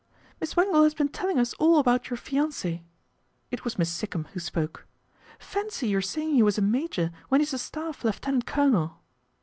" Miss Wangle has been telling us all about your fiance"." It was Miss Sikkum who spoke. " Fancy your saying he was a major when he's a Staff lieutenant colonel."